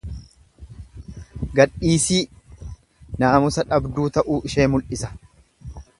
Gadhiisii, naamusa dhabduu ta'uu ishee mul'isa.